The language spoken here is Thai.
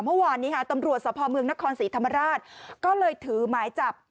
เมื่อวานนี้ค่ะตำรวจสภเมืองนครศรีธรรมราชก็เลยถือหมายจับ